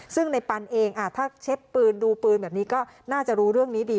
ซึ่งในปันเองถ้าเช็ดปืนดูปืนแบบนี้ก็น่าจะรู้เรื่องนี้ดี